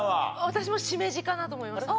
私もしめじかなと思いました。